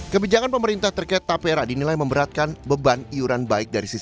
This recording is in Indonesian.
kebijakan pemerintah terkait tapera dinilai memberatkan beban iuran baik dari sisi